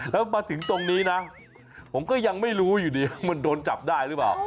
แล้วมาถึงตรงนี้นะผมก็ยังไม่รู้อยู่ดีว่ามันโดนจับได้หรือเปล่า